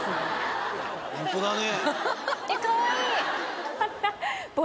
ホントだね。